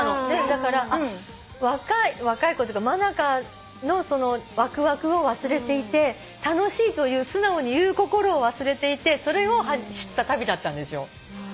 だから若い若い子っていうか真香のそのわくわくを忘れていて「楽しい」と素直に言う心を忘れていてそれを知った旅だったんですよ。